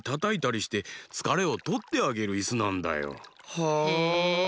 へえ。